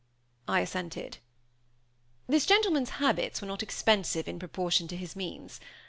I assented. "This gentleman's habits were not expensive in proportion to his means.